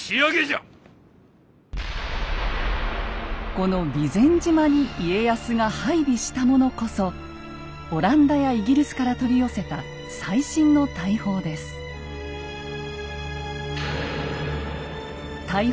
この備前島に家康が配備したものこそオランダやイギリスから取り寄せた最新の大砲です。